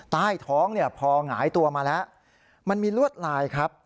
ใต้ท้องเนี่ยพอหงายตัวมาแล้วมันมีลวดลายครับ